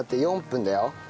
４分だよ。